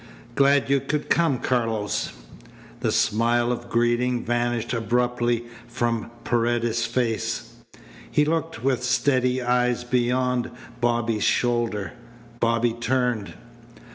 "Glad you've come, Carlos." The smile of greeting vanished abruptly from Paredes's face. He looked with steady eyes beyond Bobby's shoulder. Bobby turned.